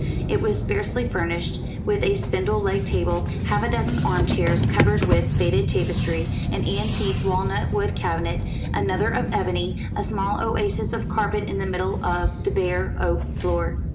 It was sparsely furnished with a spindle legged table, half a dozen armchairs covered with faded tapestry, an antique walnut wood cabinet, another of ebony, a small oasis of carpet in the middle of the bare oak floor.